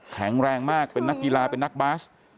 แข็งแรงมากเป็นนักกีฬาเป็นนักบาส